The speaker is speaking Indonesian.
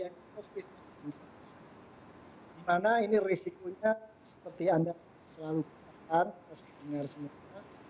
di mana ini risikonya seperti anda selalu katakan kita harus dengar semuanya